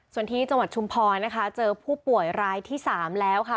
ส่วนที่จังหวัดชุมพรนะคะเจอผู้ป่วยรายที่๓แล้วค่ะ